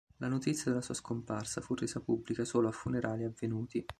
La notizia della sua scomparsa fu resa pubblica solo a funerali avvenuti.